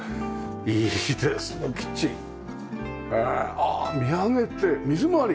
あっ見上げて水回り！